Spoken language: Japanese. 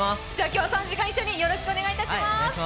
今日は、３時間一緒によろしくお願いします。